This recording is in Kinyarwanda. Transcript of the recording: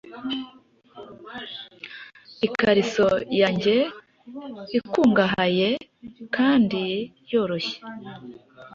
Ikariso yanjye ikungahaye kandi yoroheje